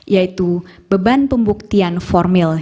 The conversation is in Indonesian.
yaitu beban pembuktian formil